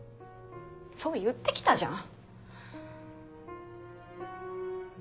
そう言ってきたじゃん。